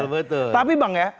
betul tapi bang ya